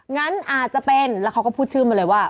งั้นอาจจะเป็นแล้วเขาก็พูดชื่อมาเลยว่า